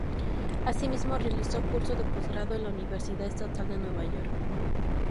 Asimismo, realizó curso de posgrado en la Universidad Estatal de Nueva York.